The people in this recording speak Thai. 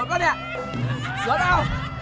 ลดเอา